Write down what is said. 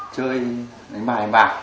chơi đánh bài đánh bạc